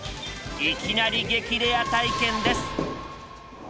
いきなり激レア体験です。